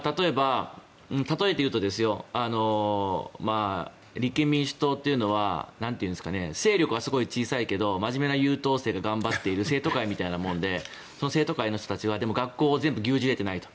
例えていうと立憲民主党というのは勢力はすごい小さいけどまじめな優等生が頑張っている生徒会みたいなものでその生徒会の人たちはでも学校を全部牛耳れてないと。